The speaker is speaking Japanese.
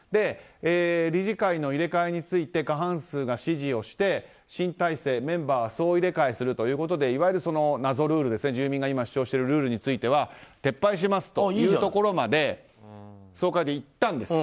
理事会の入れ替えについて過半数が支持をして新体制メンバー総入れ替えで住人が主張する謎ルールについては撤廃しますというところまで総会でいったんです。